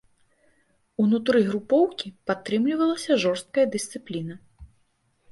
Унутры групоўкі падтрымлівалася жорсткая дысцыпліна.